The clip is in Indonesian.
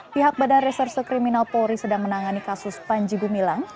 pihak badan reserse kriminal polri sedang menangani kasus panji gumilang